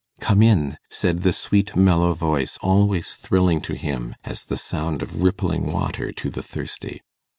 'Come in,' said the sweet mellow voice, always thrilling to him as the sound of rippling water to the thirsty.